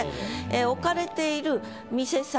ええ置かれている店先